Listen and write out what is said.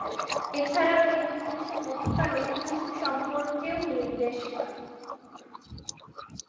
এছাড়াও এই দুই দেশের মধ্যকার ঐতিহাসিক সম্পর্কেও নির্দেশ করে।